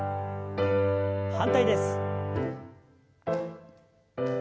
反対です。